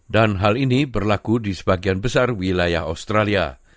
dan hal ini berlaku di sebagian besar wilayah australia